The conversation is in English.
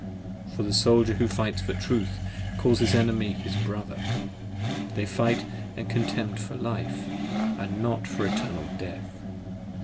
For the Soldier who fights for Truth, calls his enemy his brother: They fight & contend for life, & not for eternal death!